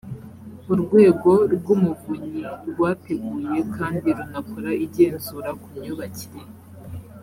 urwego rw umuvunyi rwateguye kandi runakora igenzura ku myubakire